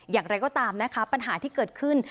อย่างไรก็ตามนะคะปัญหาที่เกิดขึ้น